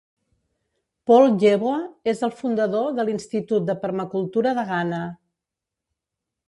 Paul Yeboah és el fundador de l'Institut de Permacultura de Ghana.